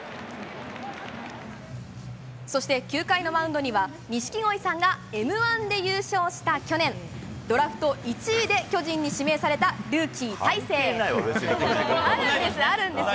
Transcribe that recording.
そして９回のマウンドには、錦鯉さんがＭー１で優勝した去年、ドラフト１位で巨人に指名されたルーキー、大勢。